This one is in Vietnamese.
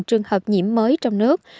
trường hợp nhiễm mới trong nước